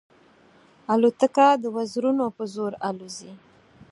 الوتکه د وزرونو په زور الوزي.